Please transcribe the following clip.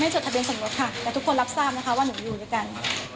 จดทะเบียนสมรสค่ะแต่ทุกคนรับทราบนะคะว่าหนูอยู่ด้วยกัน